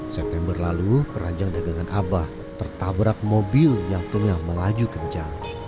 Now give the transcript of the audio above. september lalu keranjang dagangan abah tertabrak mobil yang tengah melaju kencang